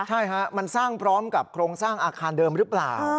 ใช่ฮะมันสร้างพร้อมกับโครงสร้างอาคารเดิมหรือเปล่า